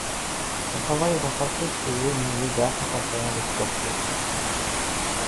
Son travail est en partie exposé au musée d'art contemporain de Skopje.